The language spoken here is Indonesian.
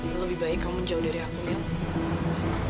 lebih baik kamu jauh dari aku mio